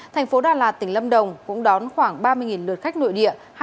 thành phố đà lạt tỉnh lâm đồng cũng đón khoảng ba mươi lượt khách nội địa